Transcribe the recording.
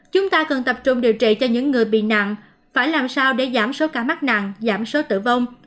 chúng ta cần tập trung điều trị cho những người bị nạn phải làm sao để giảm số ca mắc nạn giảm số tử vong